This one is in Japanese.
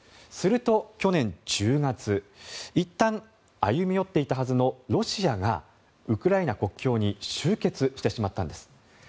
すると、去年１０月いったん歩み寄っていたはずのロシアがウクライナ国境に集結してしまったんです。